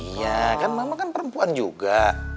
iya kan mama kan perempuan juga